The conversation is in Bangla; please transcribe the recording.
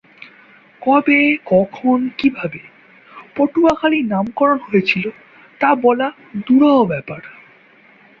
কবে, কখন, কিভাবে পটুয়াখালী নামকরণ হয়েছিল তা বলা দুরূহ ব্যাপার।